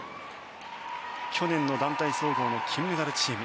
去年の団体総合の金メダルチーム。